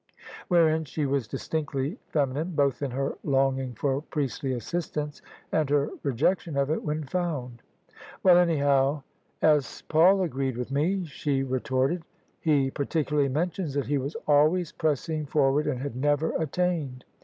Wherein she was distinctly femi nine, both in her longing for priestly assistance and her rejection of it when found. "Well, anyhow S. Paul agreed with me," she retorted: " he particularly mentions that he was always pressing for ward and had never attained."